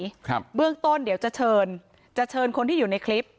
ครับเบื้องต้นเดี๋ยวจะเชิญจะเชิญคนที่อยู่ในคลิป